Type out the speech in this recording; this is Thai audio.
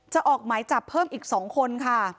ออกหมายจับเพิ่มอีก๒คนค่ะ